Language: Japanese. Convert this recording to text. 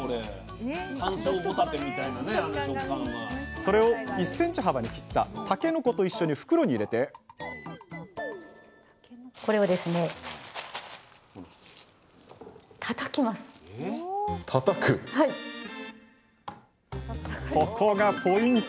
それを１ｃｍ幅に切ったタケノコと一緒に袋に入れてここがポイント！